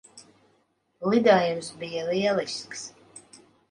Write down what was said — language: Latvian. Lidojums bija lielisks.